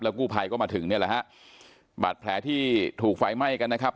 กู้ภัยก็มาถึงเนี่ยแหละฮะบาดแผลที่ถูกไฟไหม้กันนะครับ